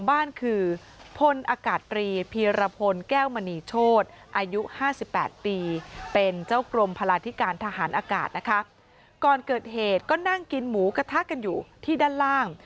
อากาศนะคะก่อนเกิดเหตุก็นั่งกินหมูกระทะกันอยู่ที่ด้านล่าง